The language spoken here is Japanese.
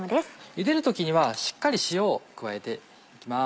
ゆでる時にはしっかり塩を加えて行きます。